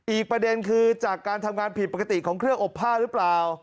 อีกประเด็นคือจากการทำงานผิดปกติของเครื่องอบผ้าหรือเปล่า